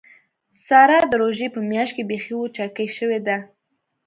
ساره د روژې په میاشت کې بیخي وچکۍ شوې ده.